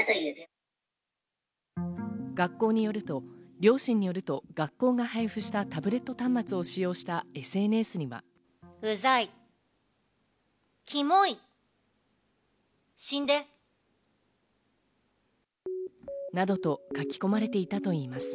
両親によると学校が配布したタブレット端末を使用したＳＮＳには。などと書き込まれていたといいます。